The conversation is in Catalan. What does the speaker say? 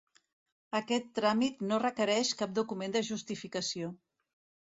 Aquest tràmit no requereix cap document de justificació.